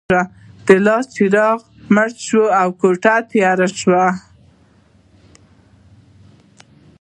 لاسي څراغ مړ شو او کوټه تیاره شوه